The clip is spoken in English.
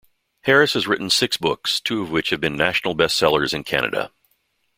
Harris has written six books, two of which have been national best-sellers in Canada.